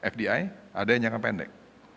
fdi ada yang jangka pendek